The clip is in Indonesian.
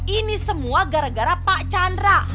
ini semua gara gara pak chandra